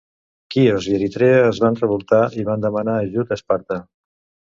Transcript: Quios i Eritrea es van revoltar i van demanar ajut a Esparta.